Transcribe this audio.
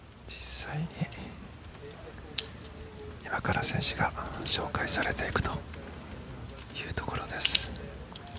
今から選手が紹介されていくというところです。